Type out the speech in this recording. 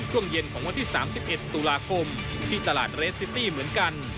ช่วงเย็นของวันที่๓๑ตุลาคมที่ตลาดเรสซิตี้เหมือนกัน